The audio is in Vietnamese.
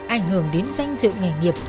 ảnh hưởng đến danh dự nghề nghiệp